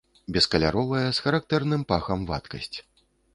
Бескаляровая, з характэрным пахам вадкасць.